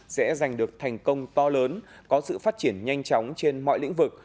sẽ giành được thành công to lớn có sự phát triển nhanh chóng trên mọi lĩnh vực